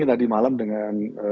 tadi malam dengan